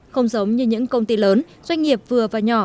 không giống như những công ty lớn doanh nghiệp vừa và nhỏ